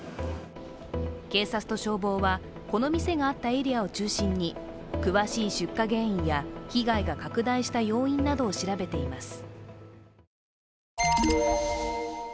警察と消防は、この店があったエリアを中心に詳しい出火原因や被害が拡大した要因などを調べています。